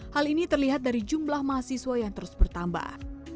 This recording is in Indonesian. hal ini terlihat dari jumlah mahasiswa yang terus bertambah